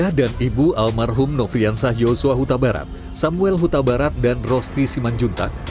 ayah dan ibu almarhum nofiansah yosua hutabarat samuel hutabarat dan rosti simanjuntan